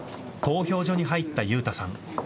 投票所に入った悠太さん。